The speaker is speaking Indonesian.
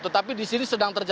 tetapi di sini sedang terjadi